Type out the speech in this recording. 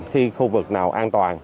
khi khu vực nào an toàn